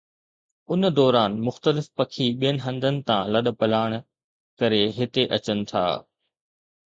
ان دوران مختلف پکي ٻين هنڌن تان لڏپلاڻ ڪري هتي اچن ٿا